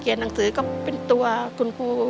หนังสือก็เป็นตัวคุณครู